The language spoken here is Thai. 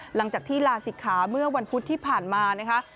หลังจากที่ลาศิกขาเมื่อวันพุธที่ผ่านมานะคะ